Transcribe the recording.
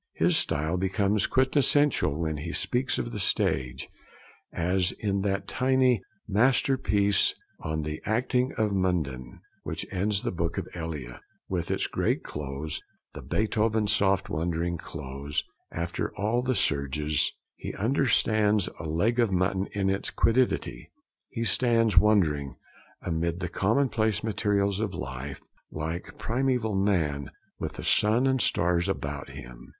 His style becomes quintessential when he speaks of the stage, as in that tiny masterpiece, On the Acting of Munden, which ends the book of Elia, with its great close, the Beethoven soft wondering close, after all the surges: 'He understands a leg of mutton in its quiddity. He stands wondering, amid the commonplace materials of life, like primeval man with the sun and stars about him.'